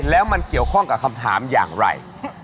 แล้วมันเกี่ยวข้องกับคำถามอย่างไร